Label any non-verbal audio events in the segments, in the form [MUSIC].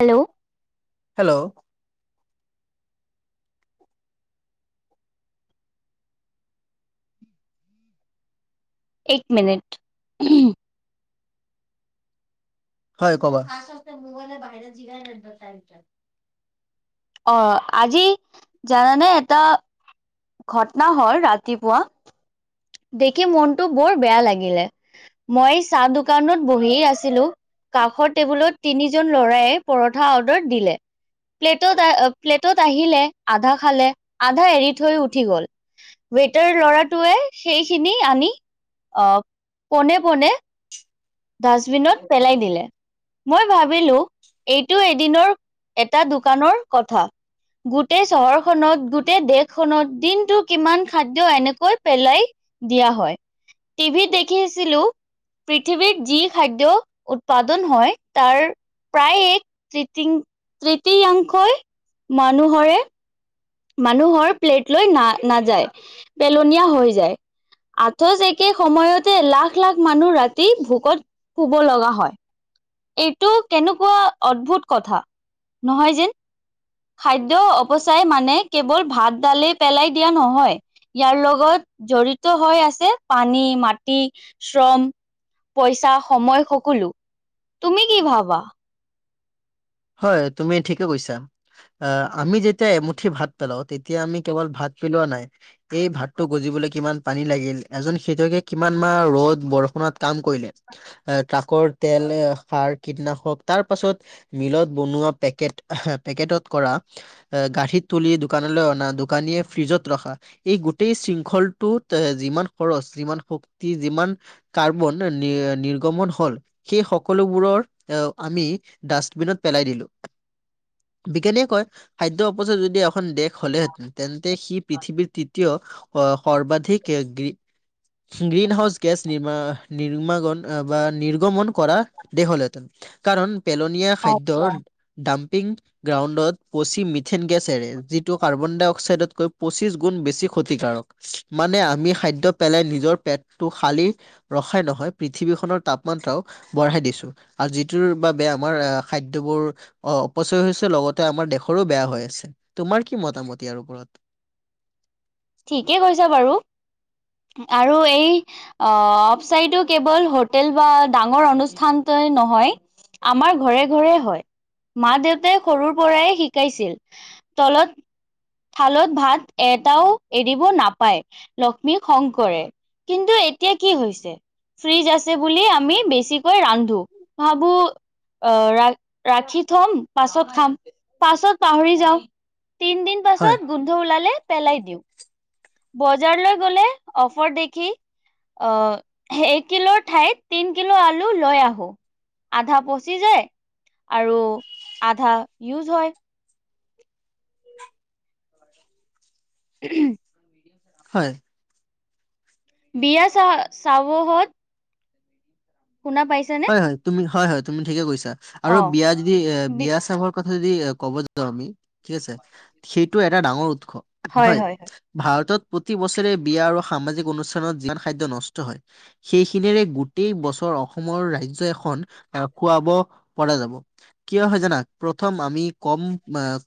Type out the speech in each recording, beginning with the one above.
Hello hello. এক minute হয় কবা অ', আজি জানানে এটা ঘটনা হল ৰাতিপুৱা দেখি মনটো বৰ বেয়া লাগিলে। মই চাহ দোকানত বহি আছিলোঁ কাষৰ টেবুলত তিনিজন ল'ৰাইয়ে পৰঠা অৰ্ডাৰ দিলে। প্লেটত আহ প্লেটত আহিলে আধা খালে আধা এৰি থৈ উঠি গ'ল। ৱেইটাৰ ল'ৰাটোৱে সেইখিনি আনি আহ পোনে পোনে ডাষ্টবিনত পেলাই দিলে। মই ভাবিলোঁ এইটো এদিনৰ এটা দোকানৰ প্ৰথা। গোটেই চহৰখনত গোটেই দেশখনত দিনটো কিমান খাদ্য এনেকৈ পেলাই দিয়া হয়, টিভিত দেখি আছিলোঁ পৃথিৱীত যি খাদ্য উৎপাদন হয় তাৰ প্ৰায় এক তং তৃতীতয়াংশই মানুহৰে মানুহৰ প্লেট লৈ না নাযায় পেলনীয়া হৈ যায়। আকৌচ একে সময়তে লাখ লাখ মানুহ ৰাতি ভোকত শুব লগা হয়। এইটো কেনেকুৱা অদ্ভুত কথা নহয় যেন। খাদ্য অপচয় মানে কেৱল ভাত ডালয়ে পেলাই দিয়া নহয়। ইয়াৰ লগত জড়িত হৈ আছে পানী, মাটি, শ্ৰম। পইচা সময় সকলো। তুমি কি ভাবা? হয়, তুমি ঠিকে কৈছা। আহ আমি যেতিয়া এমুঠি ভাত পেলাও তেতিয়া আমি কেৱল ভাত পেলোৱা নাই। এই ভাতটো গজিবলৈ কিমান পানী লাগিল এজন খেতিয়কে কিমান মাহ ৰ'দ বৰষুণত কাম কৰিলে এ ট্ৰাকৰ তেল, সাৰ কীটনাশক তাৰপাছত মিলত বনোৱা পেকেট পেকেটত কৰা গাড়ীত তুলি দোকানলৈ অনা দোকানীয়ে ফ্ৰিজত ৰখা। এই গোটেই শৃংখলটোত এ যিমান খৰচ যিমান শক্তি যিমান কাৰ্বন নিৰ্গমন হ'ল সেই সকলোবোৰৰ আমি ডাষ্টবিনত পেলাই দিলোঁ। বিজ্ঞানীয়ে কয় খাদ্য অপচয় যদি এখন দেশ- হ'লেহেতেন তেন্তে সি পৃথিৱীৰ তৃতীয় সৰ্বাধিক গ্ৰী- গ্ৰীন হাউচ- গেছ নিমা নিৰ্মাগন বা নিৰ্গমন কৰা দেশ হ'ল হেঁতেন। কাৰণ পেলনীয়া খাদ্যৰ ডাম্পিং- গ্ৰাউণ্ডত পচি মিথেন গেছ এৰে যিটো কাৰ্বন ডাই অক্সাইডতকৈ পঁচিছ গুণ বেছি ক্ষতিকাৰক। মানে আমি খাদ্য পেলাই নিজৰ পেটটো খালি- ৰখাই নহয় পৃথিৱীখনৰ তাপমাত্ৰাও বঢ়াই দিছো আৰু যিটোৰ বাবে আমাৰ আহ- খাদ্যবোৰ অপচয় হৈছে লগতে আমাৰ দেশৰো বেয়া হৈ আছে। তোমাৰ কি মতামত ইয়াৰ ওপৰত? ঠিকেই কৈছা বাৰু আৰু এই- আহ অফচাইদটো কেৱল হোটেল বা ডাঙৰ অনুষ্ঠানটোয়ে নহয়- আমাৰ ঘৰে ঘৰে হয়। মা -দেউতাই সৰুৰ পৰাই শিকাইছিল। তলত থালত ভাত এটাও- এৰিব নাপায় লক্ষ্মী খং কৰে। কিন্তু এতিয়া কি হৈছে? ফ্ৰিজ আছে বুলি আমি বেছিকৈ ৰান্ধো। ভাবো- আহ ৰা ৰাখি থম পাছত খাম, পাছত পাহৰি যাওঁ। তিন দিন হয় পাছত গোন্ধ ওলালে পেলাই দিওঁ। বজাৰলৈ গলে অফাৰ দেখি- আহ এক কিলোৰ ঠাইত তিন কিলো আলু লৈ আহো। আধা পচি যায় আৰু আধা ইউজ হয়। উম। হয়। বিয়া চাহ চাবহত - শুনা পাইছানে? হয় তুমি হয়, তুমি ঠিকে কৈছা আৰু অ বিয়া যদি এই বি বিয়া- কথাটো যদি ক'ব যাওঁ আমি ঠিক আছে সেইটো এটা ডাঙৰ উৎস হয়। ভাৰতত প্ৰতি বছৰে বিয়া আৰু সামাজিক অনুষ্ঠানত যিমান খাদ্য নষ্ট হয়- সেইখিনিৰে গোটেই বছৰ অসমৰ ৰাজ্য এখন আহ খুৱাব পৰা যাব। কিয় হয় জানা, প্ৰথম আমি কম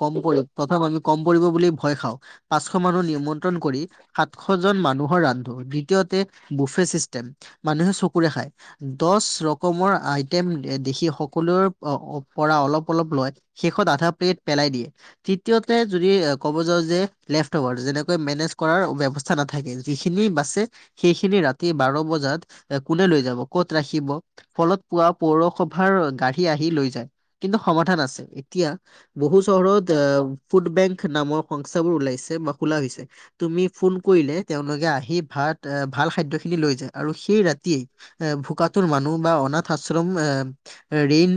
কম পৰি প্ৰথম আমি কম পৰিব বুলি ভয় খাওঁ। পাঁচশ মানুহ নিমন্ত্ৰণ কৰি- সাতশ জন মানুহৰ ৰান্ধো। দ্বিতীয়তে বুফে ছিষ্টেম, মানুহে চকুৰে খায়। দহ ৰকমৰ আইটেম দেখি সকলোৰে পৰা অলপ অলপ লয়- শেষত আধা প্লেট পেলাই দিয়ে। তৃতীয়তে যদি এই ক'ব যাওঁ যে লেফট অভাৰ। যেনেকৈ মেনেজ কৰা ব্যৱস্থা। নাথাকে। যিখিনি বাছে সেইখিনি ৰাতি বাৰ বজাত কোনে লৈ যাব, ক'ত- ৰাখিব, ফলত পুৱা পৌৰসভাৰ গাড়ী আহি লৈ যায়। কিন্তু সমাধান আছে। এতিয়া- বহু চহৰত ফুড বেংক নামৰ সংস্থা বোৰ ওলাইছে বা খোলা হৈছে। তুমি ফোন কৰিলে তেওঁলোকে আহি ভাত ভাল খাদ্যখিনি লৈ যায় আৰু সেই ৰাতিয়ে- এ ভোকাতুৰ মানুহ বা অনাথ আশ্ৰম আহ- ঋণ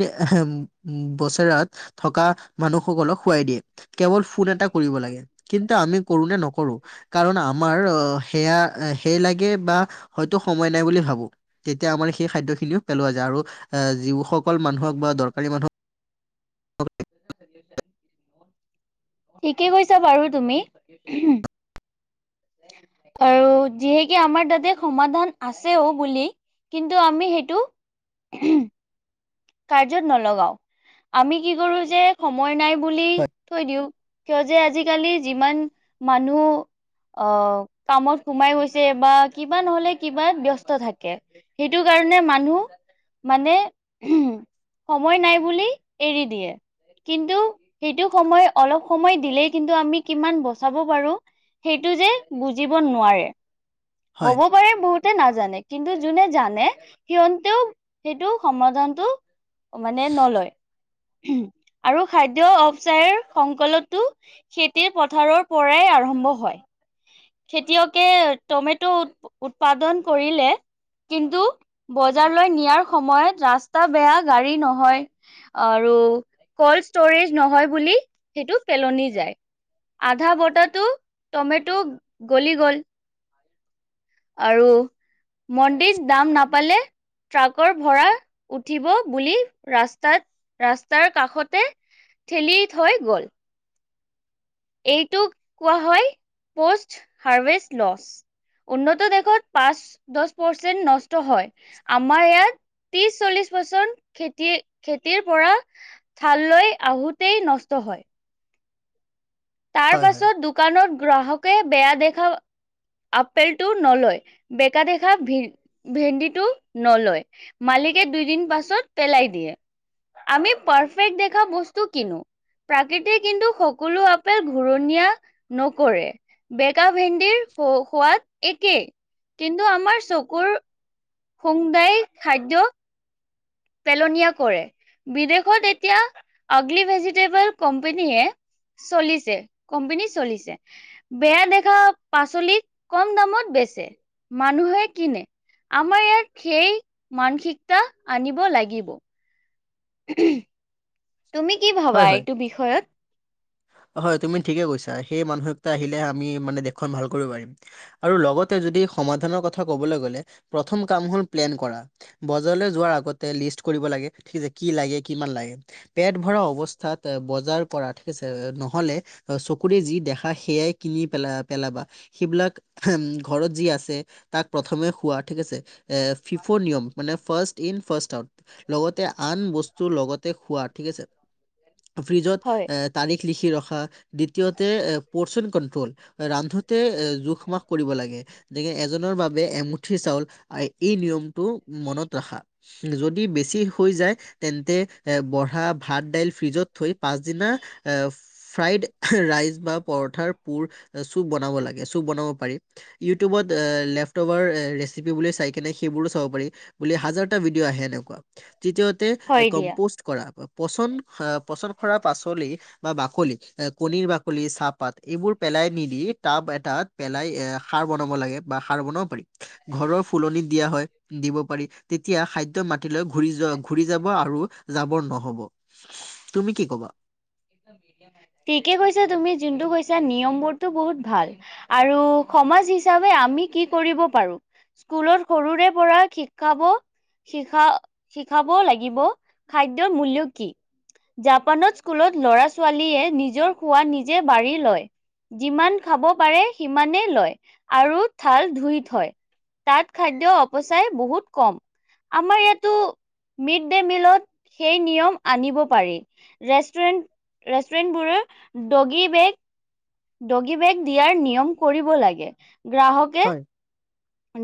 বছৰত থকা মানুহসকলক খোৱাই দিয়ে। কেৱল ফোন এটা কৰিব লাগে। কিন্তু আমি কৰো নে নকৰো, কাৰণ আমাৰ সেয়া সেই লাগে বা- হয়তো সময় নাই বুলি ভাবো। তেতিয়া আমাৰ সেই খাদ্য খিনিও পেলোৱা যায়, আৰু আহ যিসকল মানুহক বা দৰকাৰী মানুহক। [INAUDIBLE] ঠিকে কৈছা, বাৰু তুমি। [UNINTELLIGIBLE] আৰু যিহেকে আমাৰ তাতে সমাধান আছেও বুলি কিন্তু আমি সেইটো কাৰ্যত নলগাও, আমি কি কৰো যে সময় নাই। বুলি হয় থৈ দিওঁ, কিয় যে আজিকালি যিমান মানুহ অ' কামত সোমাই গৈছে বা কিবা নহলে কিবাত ব্যস্ত থাকে। সেইটো কাৰণে মানুহ, মানে সময় নাই বুলি এৰি দিয়ে। কিন্তু সেইটো সময় অলপ সময় দিলেই কিন্তু আমি কিমান বচাব পাৰো। সেইটো যে বুজিব নোৱাৰে। হব পাৰে বহুতে নাজানে। কিন্তু যোনে জানে সিহতেও সেইটো সমাধান টো মানে নলয়। আৰু খাদ্য অৱ চায়ৰ সংকলতো খেতি-পথাৰৰ পৰাই আৰম্ভ হয়। খেতিয়কে টমেট' উৎপাদন কৰিলে। কিন্তু বজাৰলৈ নিয়াৰ সময়ত ৰাস্তা বেয়া গাড়ী নহয়। আৰু কল্ড ষ্টৰেজ নহয় বুলি সেইটো পেলনি যায়। আধা বতাটো টমেটো' গলি গ'ল। আৰু মন্দিৰত দাম নাপালে। ট্ৰাকৰ ভৰা উঠিব বুলি, ৰাস্তাত ৰাস্তাৰ কাষতে ঠেলি থৈ গ'ল। এইটোক কোৱা হয় পষ্ট হাৰ্ভেষ্ট লচ। উন্নত দেশত পাঁচ-দহ পাৰ্চেন্ত নষ্ট হয়, আমাৰ ইয়াত ত্ৰিশ-চল্লিশ পাৰ্চেন্ট খেতি খেতিৰ পৰা ধান লৈ আহোঁতেই নষ্ট হয়। তাৰ হয় হয় হয় পাছত দোকানত গ্ৰাহকে বেয়া দেখা। আপেলটো নলয়, বেকা দেখা ভিৰ। ভেন্দিটো নলয়, মালিকে দুইদিন পাছত পেলায় দিয়ে। আমি পাৰফেক্ট দেখা বস্তু কিনো, প্ৰাকৃতি কিন্তু সকলো ঘূৰণীয়া নকৰে, বেকা ভেন্দিৰ সোৱাদ একেই। কিন্তু আমাৰ চকুৰ হোমদায়ী খাদ্য। পেলনীয়া কৰে, বিদেশত এতিয়া আগলি ভেজিটেবল কম্পেনীয়ে চলিছে, কম্পেনী চলিছে। বেয়া দেখা পাচলি কম দামত বেচে, মানুহে কিনে। আমাৰ ইয়াত সেই মানসিকতা আনিব লাগিব। তুমি কি ভাবা হয় হয় এইটো বিষয়ত? হয়, তুমি ঠিকে কৈছা। সেই মানসিকটা আহিলে আমি মানে দেশখন ভাল কৰিব পাৰিম। আৰু লগতে যদি সমাধানৰ কথা কবলৈ গ'লে প্ৰথম কাম হ'ল প্লেন কৰা। বজাৰলৈ যোৱাৰ আগতে লিষ্ট কৰিব লাগে, কি লাগে, কিমান লাগে। পেট ভৰা অৱস্থাত বজাৰ কৰা থিক আছে। নহলে চকুৰে যি দেখা সেয়াই কিনি পেলা পেলাবা। সেইবিলাক উমঁ' ঘৰত যি আছে তাক প্ৰথমে খোৱা ঠিক আছে। ফিফ' নিয়ম মানে ফাৰ্ষ্ট ইন ফাৰ্ষ্ট আউট, লগতে আন বস্তুৰ লগতে খোৱাত। ফ্ৰিজত হয়? এ তাৰিখ লিখি ৰখা, দ্বিতীয়তে পৰ্চন কণ্ট্ৰল। ৰান্ধোতে এ জোখ মাখ কৰিব লাগে! গতিকে এজনৰ বাবে এমুঠি চাউল এই নিয়মটো মনত ৰাখা। যদি বেছি হৈ যায় তেন্তে এ ব হা ভাত দাইল ফ্ৰিজত থৈ পাচদিনা ফ্ৰাইড ৰাইচ বা পৰঠাৰ পুৰ চুপ বনাব লাগে, চুপ বনাব পাৰি। ইউটিউবত লেফটবাৰ ৰেচিপি বুলি চাই কিনে সেইবোৰো চাব পাৰি। বুলি হাজাৰটা ভিডিঅ' আহে এনেকুৱা। তৃতীয়তে হয় দিয়া। কম্পজ কৰা, পচন-পচন কৰা পাচলি বা বাকলি কণীৰ বাকলি চাপ পাত এইবোৰ পেলাই নিদি টাব এটাত পেলাই এ সাৰ বনাব লাগে বা সাৰ বনাব পাৰি। ঘৰৰ ফুলনিত দিয়া হয়। দিব পাৰি, তেতিয়া খাদ্য মাতি লৈ ঘুৰি যোৱা, ঘুৰি যাব আৰু জাবৰ ন হব, তুমি কি কবা? ঠিকে কৈছা তুমি যোনটো কৈছা, নিয়ম বোৰতো বহুত ভাল। আৰু সমাজ হিচাপে আমি কি কৰিব পাৰো? স্কলত সৰুৰে পৰা শিকাব- শিখা, শিকাব লাগিব খাদ্যৰ মূল্য কি। জাপানত স্কুলত লৰা-ছোৱালীয়ে নিজৰ খোৱা নিজে বাঢ়ী লয়। যিমান খাব পাৰে সিমানেই লয় আৰু থাল ধুই থয়। তাত খাদ্যৰ অপচয় বহুত কম। আমাৰ ইয়াতো- মিড ডে মিলত সেই নিয়ম আনিব পাৰি। ৰেষ্টুৰেণ্ট ৰেষ্টুৰেণ্টবোৰৰ ডগী বেগ- ডগী বেগ দিয়াৰ নিয়ম কৰিব লাগে। গ্ৰাহক- হয়।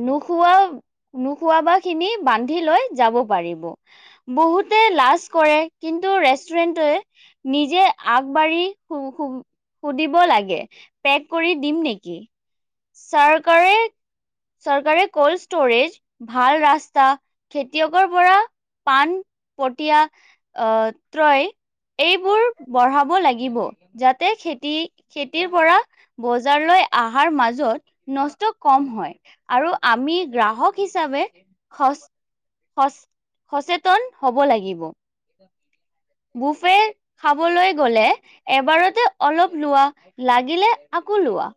নোখোৱা, নোখোৱাবা খিনি বান্ধি লৈ যাব পাৰিব। বহুতে লাজ কৰে কিন্তু ৰেষ্টুৰেণ্টোৱে- নিজে আগবাঢ়ি- সুধিব লাগে পেক কৰি দিম নেকি, চৰকাৰে- চৰকাৰে ক'ল্ড ষ্ট'ৰেজ- ভাল ৰাস্তা, খেতিয়কৰ পৰা পাণ পঠীয়া- অঁহ' ত্ৰয় এইবোৰ বঢ়াব লাগিব যাতে খেতি-খেতিৰ পৰা- বজাৰলৈ অহাৰ মাজত নষ্ট কম হয়। আৰু আমি গ্ৰাহক হিচাপে সচ সচ, সচেতন হ'ব লাগিব। বুফে খাবলৈ গ'লে এবাৰতে অলপ লোৱা, লাগিলে আকৌ লোৱা।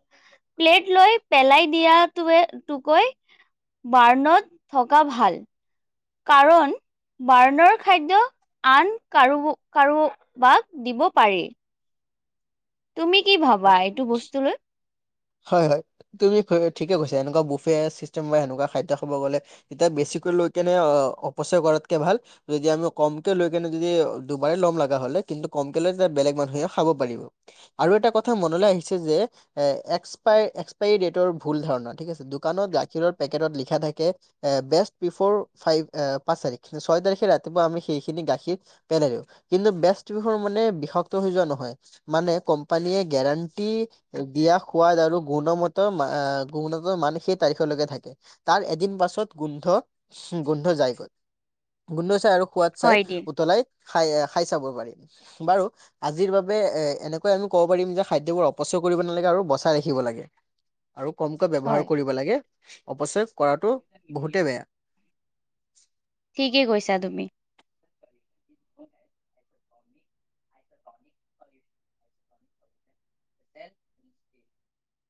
প্লেট লৈ পেলাই দিয়া তোয়ে টোকৈ বাৰ্ণত থকা ভাল। কাৰণ- বাৰ্ণৰ খাদ্য আন কাৰো-কাৰোবাক দিব পাৰি। তুমি কি ভাবা এইটো বস্তু লৈ? হয় হয়, তুমি ঠিকে কৈছা, এনেকুৱা বুফে চিষ্টেম বা সেনেকুৱা খাদ্য খাব গ'লে- এতিয়া বেছিকৈ লৈ কেনি অপচয় কৰাতকে ভাল যদি আমি কমকে লৈ কেনে যদি দুবাৰে ল'ম লগা হলে কিন্তু কমকে লৈ বেলেগ মানুহে খাব পাৰিব আৰু এটা কথা মনলৈ আহিছে যে এ এক্সপাই এক্সপায়ৰী ডেটৰ ভুল ধাৰণা ঠিক আছে দোকানত গাখীৰৰ পেকেটত লিখা থাকে বেষ্ট বিফৌৰ ফাইভ পাঁচ তাৰিখ ছয় তাৰিখে ৰাতিপুৱা আমি সেইখিনি গাখীৰ পেলাই দিও কিন্তু বেষ্ট বেফৌৰ মানে বিষাক্ত হৈ যোৱা নহয় মানে কোম্পানীয়ে গেৰাণ্টি দিয়া সোৱাদ আৰু গুণমত গুণতৰ মান সেই তাৰিখলৈকে থাকে তাৰ এদিন পাছত গোন্ধ গোন্ধ যাই গ'ল গোন্ধ চাই আৰু সোৱাদ চাই হয় দিয়া উতলাই খাই খাই চাব পাৰি। বাৰু আজিৰ বাবে এ এনেকৈ আমি ক'ব পাৰিম যে খাদ্যবোৰ অপচয় কৰিব নালাগে আৰু ব চাই ৰাখিব লাগে আৰু কমকৈ ব্যৱহাৰ হয় কৰিব লাগে অপচয় কৰাতটো বহুতে বেয়া ঠিকে কৈছা তুমি। হয় [INAUDIBLE] [INAUDIBLE] এ